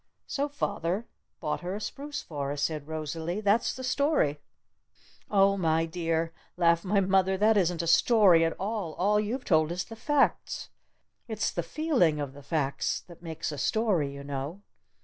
So father bought her a spruce forest," said Rosalee. "That's the story!" "Oh, my dear!" laughed my mother. "That isn't a 'story' at all! All you've told is the facts! It's the feeling of the facts that makes a story, you know!